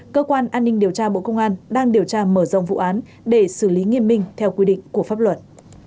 cơ quan an ninh điều tra bộ công an đang điều tra mở rộng vụ án để xử lý nghiêm minh theo quy định của pháp luật